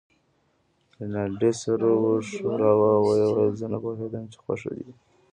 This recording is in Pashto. رینالډي سر و ښوراوه او ویې ویل: زه نه پوهېدم چې خوښه دې ده.